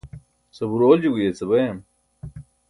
sabuur oolji guyeca bayam